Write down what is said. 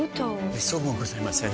めっそうもございません。